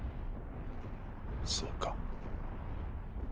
そうか。